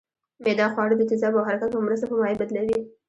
معده خواړه د تیزابو او حرکت په مرسته په مایع بدلوي